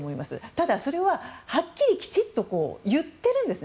ただ、それははっきりきちんと言っているんです。